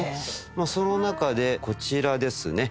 その中でこちらですね。